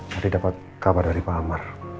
tadi dapat kabar dari pak amar